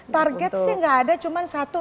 target sih nggak ada cuma satu